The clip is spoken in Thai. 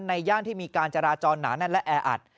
ในย่างที่มีการจราจรหนาและแอร์อัด